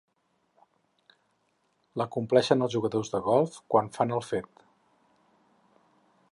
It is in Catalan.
L'acompleixen els jugadors de golf quan fan el fet.